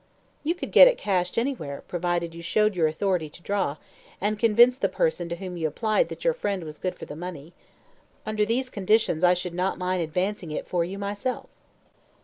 "You could get it cashed anywhere, provided you showed your authority to draw, and convinced the person to whom you applied that your friend was good for the money. Under these conditions I should not mind advancing it for you myself."